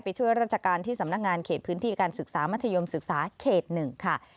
ช่วยราชการที่สำนักงานเขตพื้นที่การศึกษามัธยมศึกษาเขต๑ค่ะ